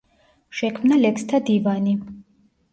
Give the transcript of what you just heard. შექმნა ლექსთა დივანი.